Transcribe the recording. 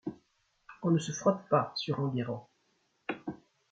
On ne se frotte pas sur Enguerrand !